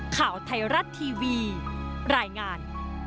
ข่าวไทยรัฐทีวีรายงาน